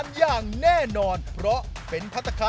พี่ว่าเดินพี่ว่าเดินเถอะ